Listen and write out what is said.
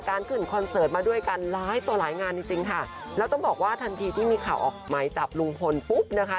ขึ้นคอนเสิร์ตมาด้วยกันหลายต่อหลายงานจริงจริงค่ะแล้วต้องบอกว่าทันทีที่มีข่าวออกหมายจับลุงพลปุ๊บนะคะ